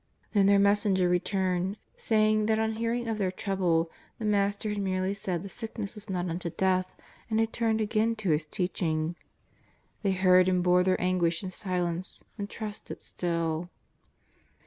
Then their messenger returned, saying that on hearing of their trouble the Master had merely said the sickness was not unto death, and had turned again to His teaching. They heard and bore their anguish in silence, and trusted still.